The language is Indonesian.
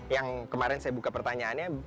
yang kemarin saya buka pertanyaannya